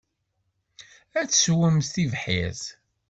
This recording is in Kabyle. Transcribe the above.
Ad tesswemt tibḥirt.